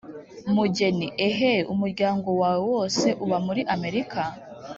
mugeni: eeeh! umuryango wawe wose uba muri amerika?